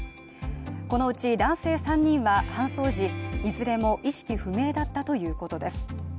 このうち男性３人は、搬送時いずれも意識不明だったということです。